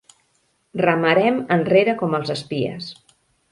Remarem enrere com els espies.